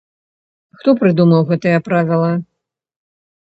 Хто прыдумаў гэтае правіла?